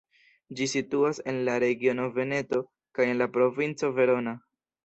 Ĝi situas en la regiono Veneto kaj en la provinco Verona.